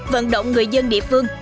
vận động người dân địa phương